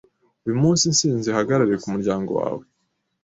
Uyu munsi intsinzi ihagarare kumuryango wawe